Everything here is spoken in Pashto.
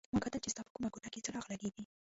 ما کتل چې ستا په کومه کوټه کې څراغ لګېږي.